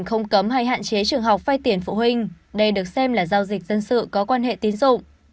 không cấm hay hạn chế trường học phai tiền phụ huynh đây được xem là giao dịch dân sự có quan hệ tín dụng